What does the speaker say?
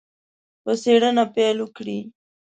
په څېړنه پیل وکړي.